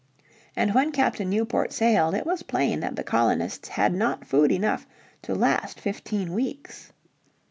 And when Captain Newport sailed it was plain that the colonists had not food enough to last fifteen weeks.